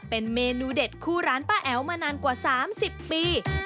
เป็นเมนูเด็ดคู่ร้านป้าแอ๋วมานานกว่า๓๐ปี